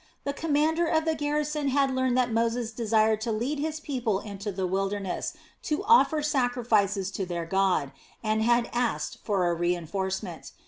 The commander of the garrison had learned that Moses desired to lead his people into the wilderness to offer sacrifices to their God, and had asked for a reinforcement.